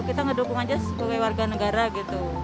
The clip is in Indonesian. kita mendukung saja sebagai warga negara gitu